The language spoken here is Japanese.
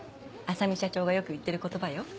浅海社長がよく言ってる言葉よ。